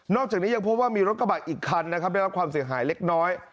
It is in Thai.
จากนี้ยังพบว่ามีรถกระบะอีกคันนะครับได้รับความเสียหายเล็กน้อย